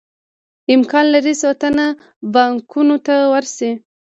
امکان لري څو تنه بانکونو ته ورشي